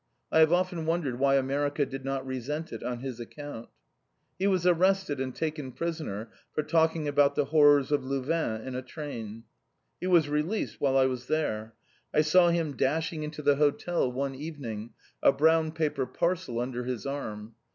I have often wondered why America did not resent it on his account. He was arrested and taken prisoner for talking about the horrors of Louvain in a train. He was released while I was there. I saw him dashing into the hotel one evening, a brown paper parcel under his arm.